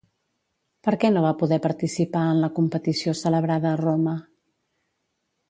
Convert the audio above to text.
Per què no va poder participar en la competició celebrada a Roma?